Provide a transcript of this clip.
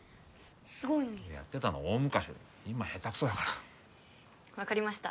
すごいのにやってたの大昔だ今下手くそだから分かりました